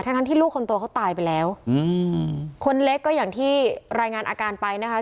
ทั้งทั้งที่ลูกคนโตเขาตายไปแล้วอืมคนเล็กก็อย่างที่รายงานอาการไปนะคะ